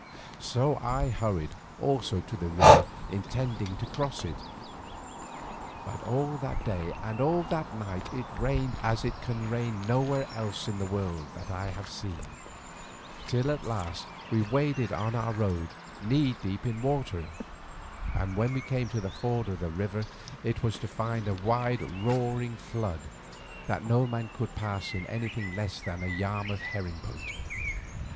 So I hurried also to the river intending to cross it. But all that day and all that night it rained as it can rain nowhere else in the world that I have seen, till at last we waded on our road knee deep in water, and when we came to the ford of the river it was to find a wide roaring flood, that no man could pass in anything less frail than a Yarmouth herring boat.